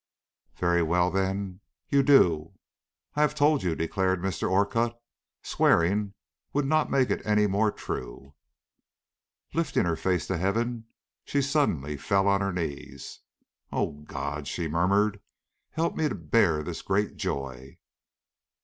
"Very well, then, you do. I have told you," declared Mr. Orcutt. "Swearing would not make it any more true." Lifting her face to heaven, she suddenly fell on her knees. "O God!" she murmured, "help me to bear this great joy!"